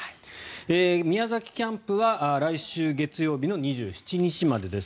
宮崎キャンプは来週月曜日の２７日までです。